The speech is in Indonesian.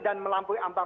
dan melampungi ambang